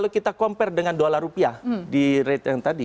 kita compare dengan dolar rupiah di rate yang tadi